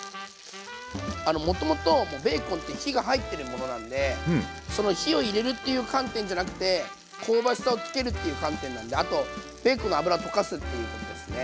もともともうベーコンって火が入ってるものなんでその火を入れるっていう観点じゃなくて香ばしさをつけるっていう観点なんであとベーコンの脂を溶かすっていうことですね。